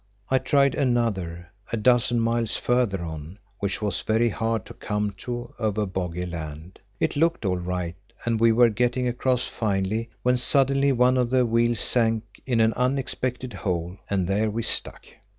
I tried another, a dozen miles further on, which was very hard to come to over boggy land. It looked all right and we were getting across finely, when suddenly one of the wheels sank in an unsuspected hole and there we stuck.